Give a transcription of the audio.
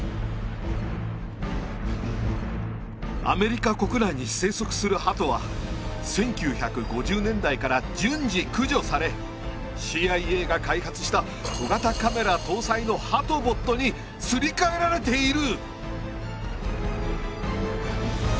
「アメリカ国内に生息するハトは１９５０年代から順次駆除されＣＩＡが開発した小型カメラ搭載のハトボットにすり替えられている！」。